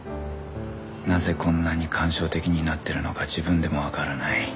なぜこんなに感傷的になってるのか自分でもわからない